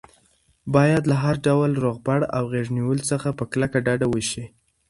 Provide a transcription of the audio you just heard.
باید له هر ډول روغبړ او غېږ نیولو څخه په کلکه ډډه وشي.